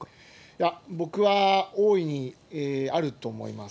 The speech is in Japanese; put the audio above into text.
いや、僕は大いにあると思います。